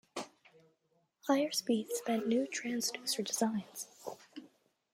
Higher speeds meant new transducer designs.